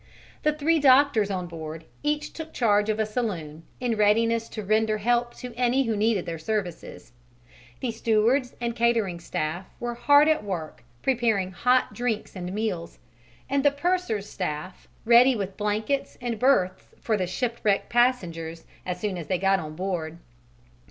The three doctors on board each took charge of a saloon, in readiness to render help to any who needed their services, the stewards and catering staff were hard at work preparing hot drinks and meals, and the purser's staff ready with blankets and berths for the shipwrecked passengers as soon as they got on board.